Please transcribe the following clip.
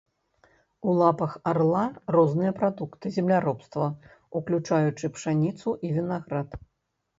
У лапах арла розныя прадукты земляробства, уключаючы пшаніцу і вінаград.